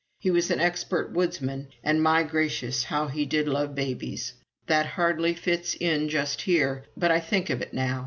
He was an expert woodsman. And, my gracious! how he did love babies! That hardly fits in just here, but I think of it now.